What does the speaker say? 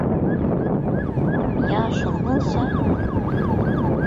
Ýaşuly bolsa: